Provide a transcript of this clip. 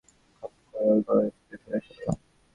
খপ করে ওর গলাটা চেপে ধরে ফেললাম।